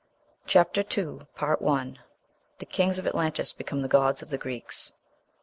CHAPTER II THE KINGS OF ATLANTIS BECOME THE GODS OF THE GREEKS.